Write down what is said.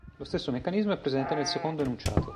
Lo stesso meccanismo è presente nel secondo enunciato.